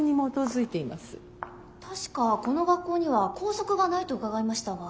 確かこの学校には校則がないと伺いましたが。